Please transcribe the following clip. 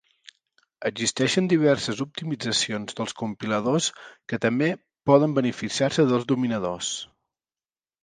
Existeixen diverses optimitzacions dels compiladors que també poden beneficiar-se dels dominadors.